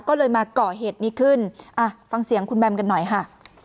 ก็เลยมาก่อเหตุนี้ขึ้นอ่ะฟังเสียงคุณแบมกันหน่อยค่ะ